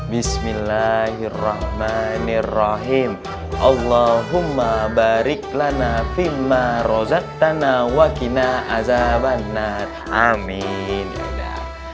bismillahirrohmanirrohim allahumma barik lana filma rozak tanah wakinah azabannan amin ya